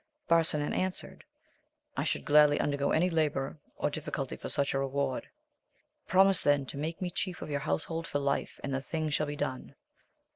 Barsinan answered, I should gladly undergo any labour or diffi culty for such a reward. — Promise then, to make me* chief of your household for life, and the thing shall be done.